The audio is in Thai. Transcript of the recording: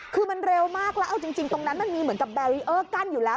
คือมันเร็วมากแล้วเอาจริงตรงนั้นมันมีเหมือนกับแบรีเออร์กั้นอยู่แล้ว